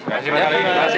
terima kasih pak wali